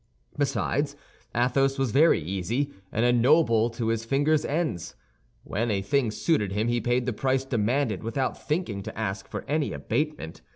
Besides, Athos was very easy, and a noble to his fingers' ends. When a thing suited him he paid the price demanded, without thinking to ask for any abatement.